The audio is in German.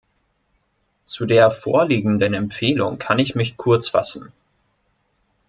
Zu der vorliegenden Empfehlung kann ich mich kurz fassen.